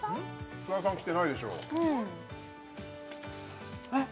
津田さん来てないでしょうえっ